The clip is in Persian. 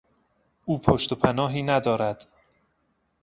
او پشت و پناهی ندارد.